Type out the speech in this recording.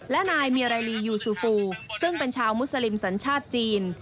และนายเมียไรลียูซูฟูซึ่งเป็นชาวมุสลิมสัญชาติจีน